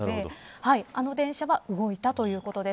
あの電車は動いたということです。